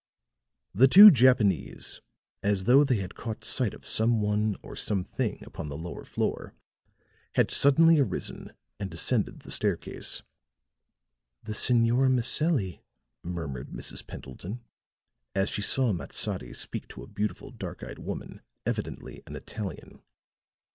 The two Japanese, as though they had caught sight of some one or something upon the lower floor, had suddenly arisen and descended the staircase. "The Senora Maselli," murmured Mrs. Pendleton, as she saw Matsadi speak to a beautiful, dark eyed woman, evidently an Italian.